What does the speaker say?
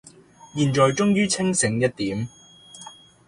現在終於清醒一點